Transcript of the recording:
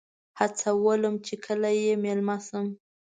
هڅولم چې کله یې میلمه شم.